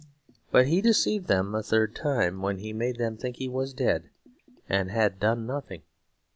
But he deceived them a third time; when he made them think he was dead; and had done nothing.